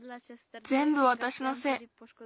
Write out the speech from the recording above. ぜんぶわたしのせい。